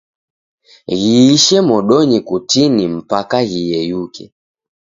Ghiishe modonyi kutini mpaka ghiyeyuke.